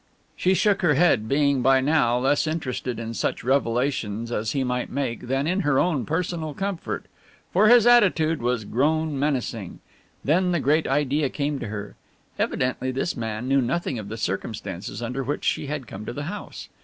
She shook her head, being, by now, less interested in such revelations as he might make, than in her own personal comfort. For his attitude was grown menacing ... then the great idea came to her. Evidently this man knew nothing of the circumstances under which she had come to the house.